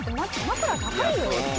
枕高いよ